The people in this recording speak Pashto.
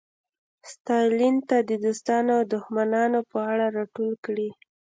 ستالین ته د دوستانو او دښمنانو په اړه راټول کړي.